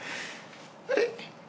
あれ？